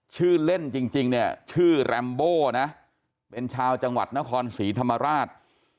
ชื่อเล่นจริงเนี่ยชื่อแรมโบนะเป็นชาวจังหวัดนครศรีธรรมราช